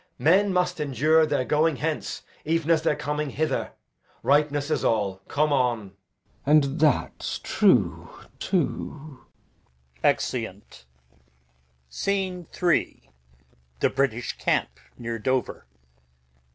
Men must endure Their going hence, even as their coming hither; Ripeness is all. Come on. Glou. And that's true too. Exeunt. Scene III. The British camp, near Dover.